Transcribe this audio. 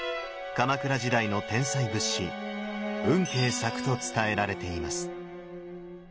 鎌倉時代の天才仏師運慶作と伝えられています。